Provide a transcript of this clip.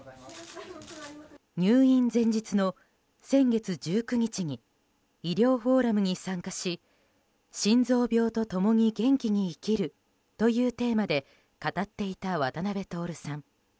入院前日の先月１９日に医療フォーラムに参加し「心臓病とともに元気に生きる」というテーマで語っていた渡辺徹さん。